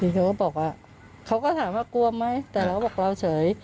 เขาก็บอกว่าเขาก็ถามว่ากลัวไหมแต่เราก็บอกเราเฉย